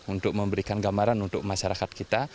untuk memberikan gambaran untuk masyarakat kita